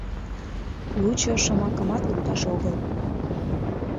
Лучо шомакымат лукташ огыл.